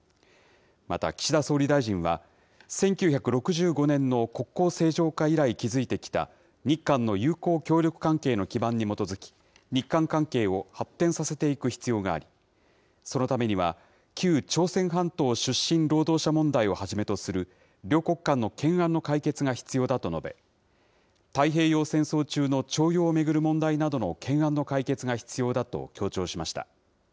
また、岸田総理大臣は、１９６５年の国交正常化以来築いてきた、日韓の友好協力関係の基盤に基づき、日韓関係を発展させていく必要があり、そのためには、旧朝鮮半島出身労働者問題をはじめとする、両国間の懸案の解決が必要だと述べ、太平洋戦争中の徴用を巡る問題などの懸案の解決が必要だと強調しました。